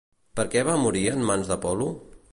Per què va morir en mans d'Apol·lo?